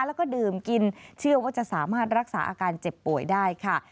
แล้วก็ดื่มกินเชื่อว่าจะสามารถรักษาอาการเจ็บป่วยได้ค่ะ